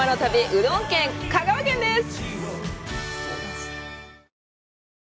うどん県・香川県です！